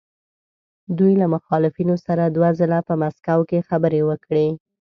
دوی له مخالفینو سره دوه ځله په مسکو کې خبرې وکړې.